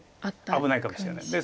危ないかもしれないので。